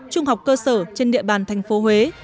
trung học cơ sở trên địa bàn tp huế